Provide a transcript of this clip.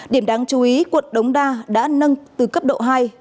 điểm đáng chú ý quận đống đa đã nâng từ cấp độ hai